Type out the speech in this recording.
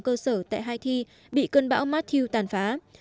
cơ sở tại haiti bị cơn bão matthew tàn phá